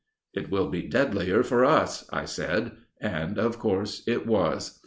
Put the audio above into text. "It will be deadlier for us," I said; and, of course, it was.